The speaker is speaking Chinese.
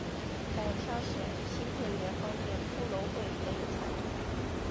在挑选新会员方面骷髅会也有传统。